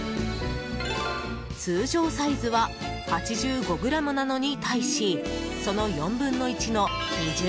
通常サイズは８５ｇなのに対しその４分の１の２０ｇ。